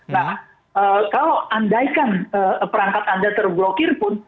nah kalau andaikan perangkat anda terblokir pun